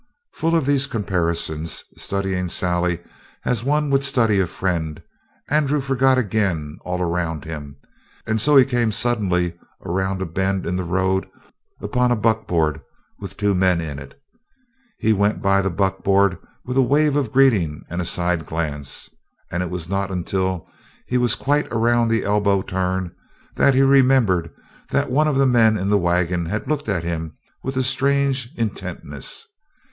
Full of these comparisons, studying Sally as one would study a friend, Andrew forgot again all around him, and so he came suddenly, around a bend in the road, upon a buckboard with two men in it. He went by the buckboard with a wave of greeting and a side glance, and it was not until he was quite around the elbow turn that he remembered that one of the men in the wagon had looked at him with a strange intentness.